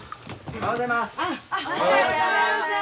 おはようございます。